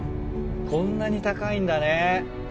こんなに高いんだね。